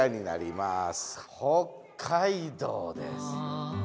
北海道です。